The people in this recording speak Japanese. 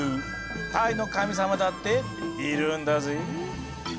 タイの神様だっているんだぜ。